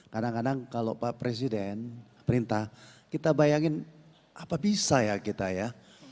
kadang kadang kalau pak presiden perintah kita bayangin apa bisa ya kita ya